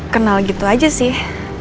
kenal gitu aja sih